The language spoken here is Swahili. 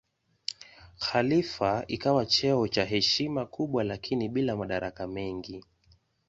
Khalifa ikawa cheo cha heshima kubwa lakini bila madaraka mengi.